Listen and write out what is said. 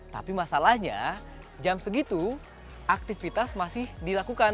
tapi masalahnya jam segitu aktivitas masih dilakukan